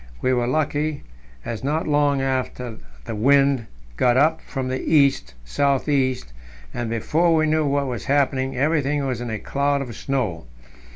We were lucky, as not long after the wind got up from the east south east, and, before we knew what was happening, everything was in a cloud of snow.